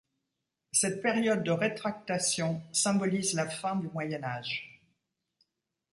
Cette période de rétractation symbolise la fin du Moyen Âge.